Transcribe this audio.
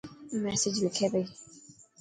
ميسج لکي پئي.